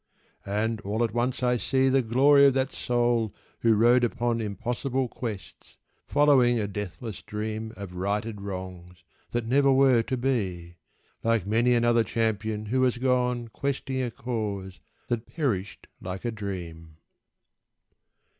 And all at once I see The glory of that soul who rode upon Impossible quests, following a deathless dream Of righted wrongs, that never were to be, Like many another champion who has gone Questing a cause that perished like a dream.